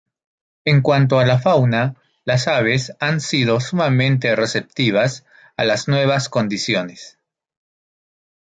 En cuanto a fauna, las aves han sido sumamente receptivas a las nuevas condiciones.